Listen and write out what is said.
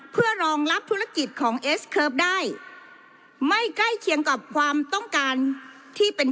เพื่อรองรับธุรกิจของเอสเคิร์ฟได้ไม่ใกล้เคียงกับความต้องการที่เป็น